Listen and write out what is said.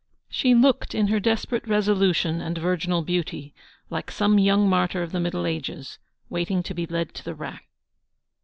She looked, in her desperate resolution and virginal beauty, like some young martyr of the middle ages waiting to be led to the rack.